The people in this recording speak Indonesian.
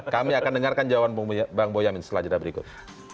kami akan dengarkan jawaban bang boyamin selanjutnya berikut